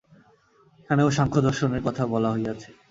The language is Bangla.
এখানেও সাংখ্যদর্শনের কথা বলা হইয়াছে।